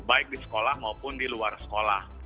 baik di sekolah maupun di luar sekolah